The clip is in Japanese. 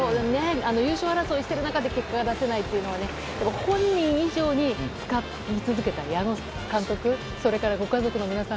優勝争いしてる中で結果が出せないというのはね本人以上に見続けた矢野監督それからご家族の皆さん